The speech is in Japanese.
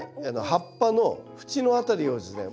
葉っぱの縁の辺りをですね